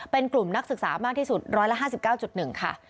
เป็นกลุ่มนักศึกษามากที่สุด๑๕๙๑ค่ะ